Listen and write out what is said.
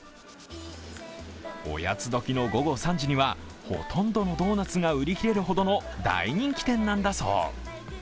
おやつ時の午後３時には、ほとんどのドーナツが売り切れるほどの大人気店なんだそう。